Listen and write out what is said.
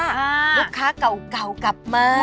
ลูกค้าเก่ากลับมา